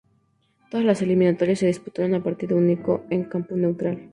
Todas las eliminatorias se disputaron a partido único en campo neutral.